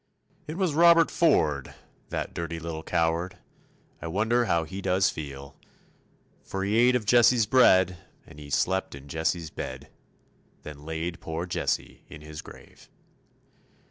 It was Robert Ford, that dirty little coward, I wonder how he does feel, For he ate of Jesse's bread and he slept in Jesse's bed, Then laid poor Jesse in his grave.